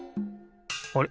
あれ？